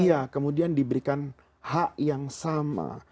iya kemudian diberikan hak yang sama